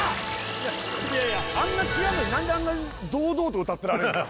いやいやあんな違うのに何であんなに堂々と歌ってられんの？